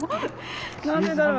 何でだろう？